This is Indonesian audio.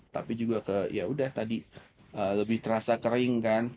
tapi juga ke ya udah tadi lebih terasa kering kan